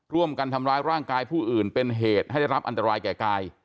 ร่วมกันทำร้ายร่างกายผู้อื่นเป็นเหตุให้ได้รับอันตรายแก่กาย